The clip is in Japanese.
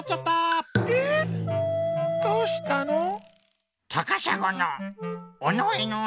どうしたの？